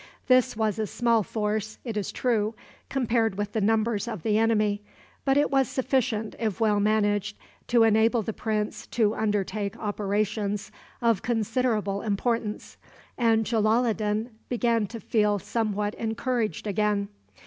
This was a small force, it is true, compared with the numbers of the enemy; but it was sufficient, if well managed, to enable the prince to undertake operations of considerable importance, and Jalaloddin began to feel somewhat encouraged again.